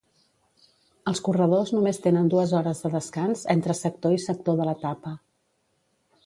Els corredors només tenen dues hores de descans entre sector i sector de l'etapa.